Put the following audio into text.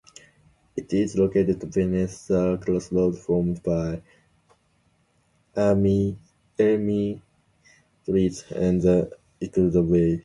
It is located beneath the crossroads formed by Ermine Street and the Icknield Way.